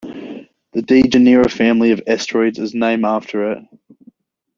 The Dejanira family of asteroids is named after it.